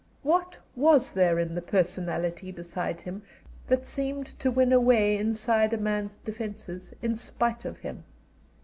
What was there in the personality beside him that seemed to win a way inside a man's defences in spite of him?